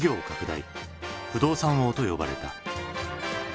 不動産王と呼ばれた。